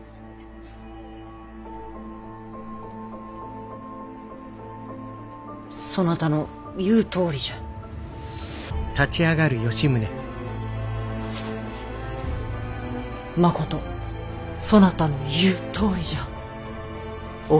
まことそなたの言うとおりじゃ小川笙船。